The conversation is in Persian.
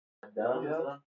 اختبار